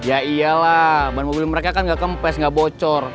ya iyalah ban mobil mereka kan nggak kempes gak bocor